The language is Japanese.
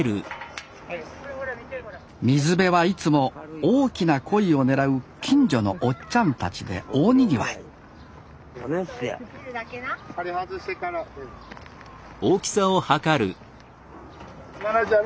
水辺はいつも大きなコイを狙う近所のおっちゃんたちで大にぎわい離してや。